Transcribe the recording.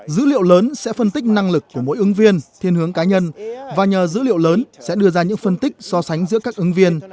dữ liệu lớn sẽ phân tích năng lực của mỗi ứng viên thiên hướng cá nhân và nhờ dữ liệu lớn sẽ đưa ra những phân tích so sánh giữa các ứng viên